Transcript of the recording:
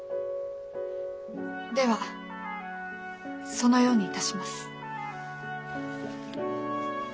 そのようにいたします。